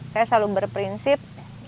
saya selalu berprinsip